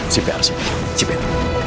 si p r si p r